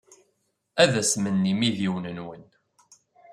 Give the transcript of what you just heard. Ad asmen yimidiwen-nwen.